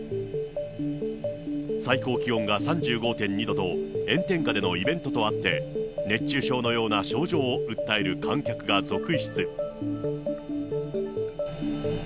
最高気温が３５．２度と炎天下でのイベントとあって、熱中症のような症状を訴える観客が続出。